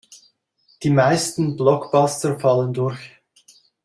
Die meisten Blockbuster fallen durch.